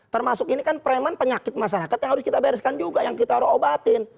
termasuk ini kan preman penyakit masyarakat yang harus kita bereskan juga yang kita harus obatin